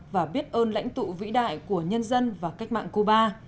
và biết ơn lãnh tụ vĩ đại của nhân dân và cách mạng cuba